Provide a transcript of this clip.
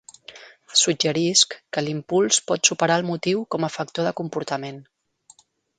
Suggerisc que l'impuls pot superar el motiu com a factor de comportament.